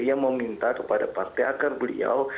yang meminta kepada partai agar beliau